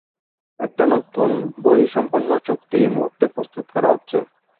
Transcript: একটা নতুন বহিঃসমর্পণ চুক্তি এই মুহূর্তে প্রস্তুত করা হচ্ছে।